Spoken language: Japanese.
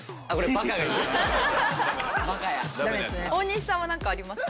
大西さんはなんかありますか？